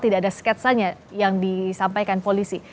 tidak ada sketsanya yang disampaikan polisi